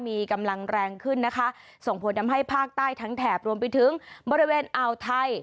มีกำลังแรงขึ้นนะคะส่งผลทำให้ภาคใต้ทั้งแถบรวมไปถึงบริเวณอ่าวไทย